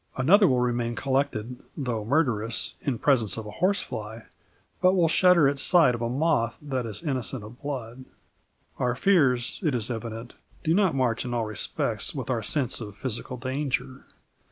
Another will remain collected (though murderous) in presence of a horse fly, but will shudder at sight of a moth that is innocent of blood. Our fears, it is evident, do not march in all respects with our sense of physical danger.